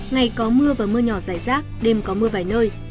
ngày có mưa và mưa nhỏ dài rác đêm có mưa vài nơi